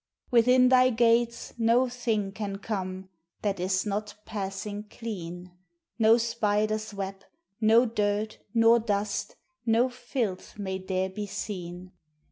Within thy gates no thing can come That is not passing clean; No spider's web, no dirt, nor dust, No filth may there be seen.